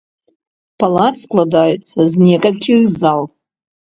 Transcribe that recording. Палац складаецца з некалькіх зал.